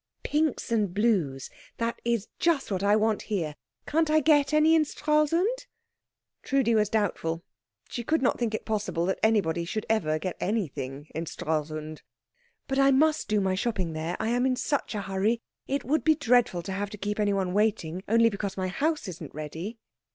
"Pinks and blues? That is just what I want here. Can't I get any in Stralsund?" Trudi was doubtful. She could not think it possible that anybody should ever get anything in Stralsund. "But I must do my shopping there. I am in such a hurry. It would be dreadful to have to keep anyone waiting only because my house isn't ready."